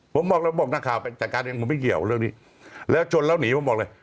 ผมบอกแล้วบอกนักข่าวไปจัดการเองผมไม่เกี่ยวเรื่องนี้แล้วชนแล้วหนีผมบอกเลย